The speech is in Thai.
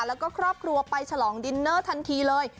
แล้วก็ครอบครัวไปฉลองดินเนอร์ทันทีเลย